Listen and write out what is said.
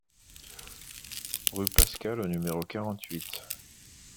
Rue Pascal au numéro quarante-huit